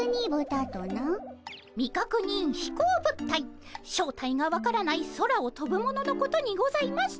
未確認飛行物体正体が分からない空をとぶもののことにございます。